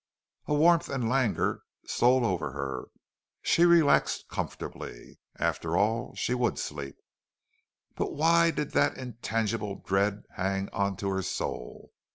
A warmth and languor stole over her; she relaxed comfortably; after all, she would sleep. But why did that intangible dread hang on to her soul?